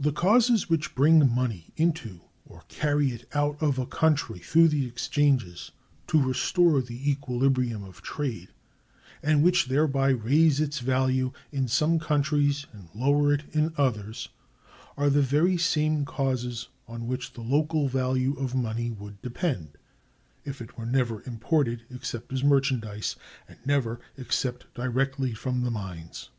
The causes which bring money into or carry it out of a country (1) through the exchanges, to restore the equilibrium of trade, and which thereby raise its value in some countries and lower it in others, are the very same causes on which the local value of money would depend, if it were never imported except (2) as a merchandise, and never except directly from the mines.